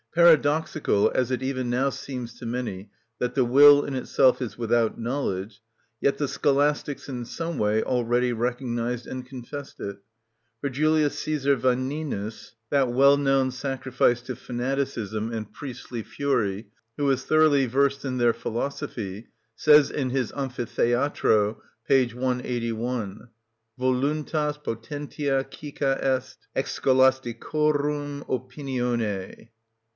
Paradoxical as it even now seems to many that the will in itself is without knowledge, yet the scholastics in some way already recognised and confessed it; for Jul. Cæs. Vaninus (that well‐ known sacrifice to fanaticism and priestly fury), who was thoroughly versed in their philosophy, says in his "Amphitheatro," p. 181: "Voluntas potentia cœca est, ex scholasticorum opinione."